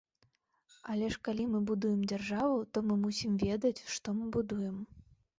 Але ж калі мы будуем дзяржаву, то мы мусім ведаць, што мы будуем.